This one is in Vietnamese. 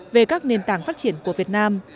về các nền tảng phát triển của việt nam